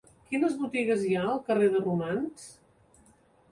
Quines botigues hi ha al carrer de Romans?